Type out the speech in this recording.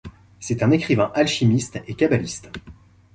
C'est un écrivain alchimiste et kabbaliste.